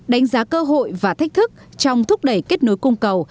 đánh giá cơ hội và thách thức trong thúc đẩy kết nối cung cầu